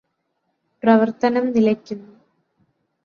പ്രവര്ത്തനം നിലയ്ക്കുന്നു